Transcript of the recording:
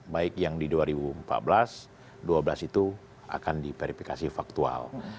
maka mereka memutuskan seluruh partai politik baik yang di dua ribu empat belas dua belas itu akan diverifikasi faktual